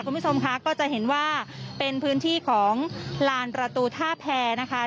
คุณผู้ชมค่ะก็จะเห็นว่าเป็นพื้นที่ของลานประตูท่าแพรนะคะ